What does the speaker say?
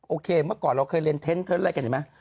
โอเคเมื่อก่อนเราเคยเล่นเท้นเท้นอะไรเห็นไหม